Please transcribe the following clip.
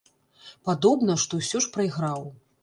Падобна, што ўсё ж прайграў.